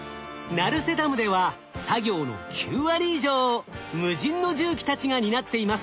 成瀬ダムでは作業の９割以上を無人の重機たちが担っています。